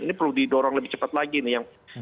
ini perlu didorong lebih cepat lagi nih yang